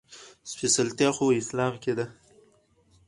سپېڅلتيا خو اسلام کې ده.